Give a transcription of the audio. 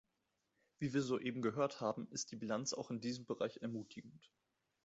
Wie wir soeben gehört haben, ist die Bilanz auch in diesem Bereich ermutigend.